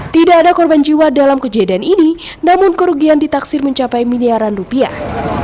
tidak ada korban jiwa dalam kejadian ini namun kerugian ditaksir mencapai miliaran rupiah